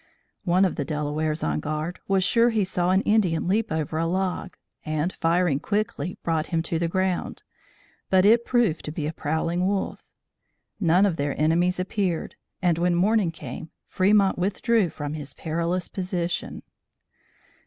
One of the Delawares on guard was sure he saw an Indian leap over a log, and firing quickly, brought him to the ground; but it proved to be a prowling wolf. None of their enemies appeared, and when morning came, Fremont withdrew from his perilous position.